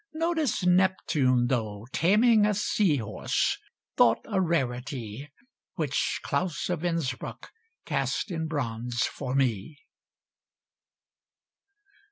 Notice Neptune, though, Taming a sea horse, thought a rarity, Which Claus of Innsbruck cast in bronze for me!